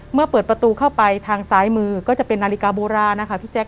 เมื่อเปิดประตูเข้าไปทางซ้ายมือก็จะเป็นนาฬิกาโบราณนะคะพี่แจ๊